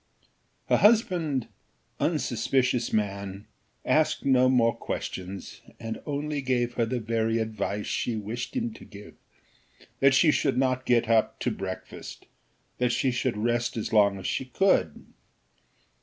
Her husband, unsuspicious man, asked no more questions, and only gave her the very advice she wished him to give, that she should not get up to breakfast that she should rest as long as she could.